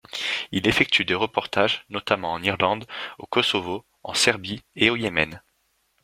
Il effectue des reportages notamment en Irlande, au Kosovo, en Serbie, et au Yémen.